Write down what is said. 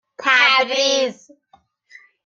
تبریز